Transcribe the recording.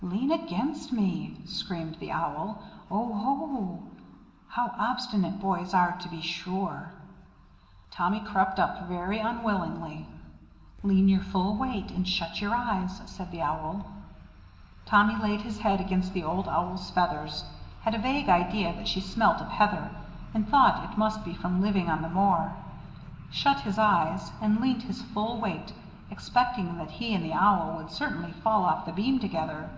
"Lean against me," screamed the Owl. "Oohoo! how obstinate boys are to be sure!" Tommy crept up very unwillingly. "Lean your full weight, and shut your eyes," said the Owl. Tommy laid his head against the Old Owl's feathers, had a vague idea that she smelt of heather, and thought it must be from living on the moor, shut his eyes, and leant his full weight, expecting that he and the Owl would certainly fall off the beam together.